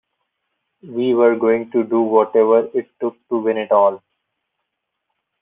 We were going to do whatever it took to win it all.